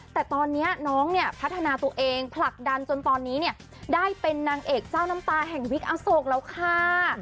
แต่ตอนนี้น้องเนี่ยพัฒนาตัวเองผลักดันจนตอนนี้เนี่ยได้เป็นนางเอกเจ้าน้ำตาแห่งวิกอโศกแล้วค่ะ